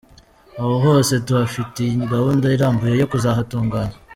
Aho hose tuhafitiye gahunda irambuye yo kuzahatunganya.